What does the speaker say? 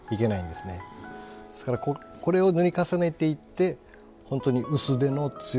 ですからこれを塗り重ねていって本当に薄手の強いものができてきます。